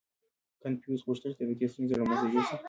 • کنفوسیوس غوښتل، چې د طبقې ستونزه له منځه یوسي.